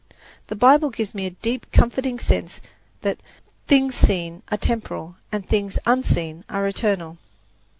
The Bible gives me a deep, comforting sense that "things seen are temporal, and things unseen are eternal."